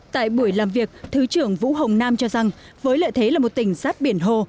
tại buổi làm việc thứ trưởng vũ hồng nam cho rằng với lợi thế là một tỉnh sát biển hồ